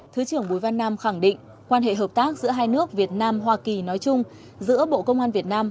thứ trưởng bùi văn nam khẳng định quan hệ hợp tác giữa hai nước việt nam hoa kỳ nói chung giữa bộ công an việt nam